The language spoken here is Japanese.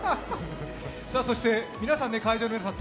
そして皆さん会場の皆さん